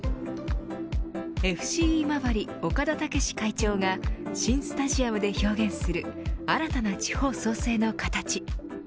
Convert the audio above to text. ＦＣ今治岡田武史会長が新スタジアムで表現する新たな地方創生の形。